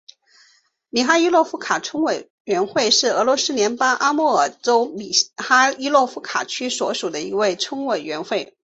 米哈伊洛夫卡村委员会是俄罗斯联邦阿穆尔州米哈伊洛夫卡区所属的一个村委员会。